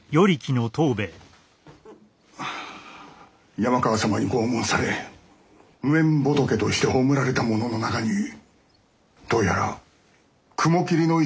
山川様に拷問され無縁仏として葬られた者の中にどうやら雲霧の一味がいたと思われます。